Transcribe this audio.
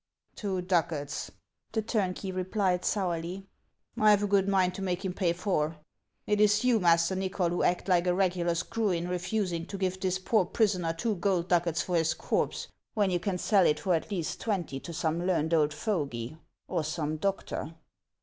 " Two ducats !" the turnkey replied sourly ;" I Ve a good mind to make him pay four ! It is you, Master O 1 J J Xychol, who act like a regular screw in refusing to give this poor prisoner two gold ducats for his corpse, when you can sell it for at least twenty to some learned old fogy or some doctor."